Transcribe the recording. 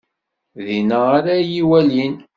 Dinna ara yi-walin.